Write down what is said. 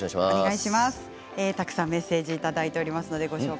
たくさんメッセージをいただいています。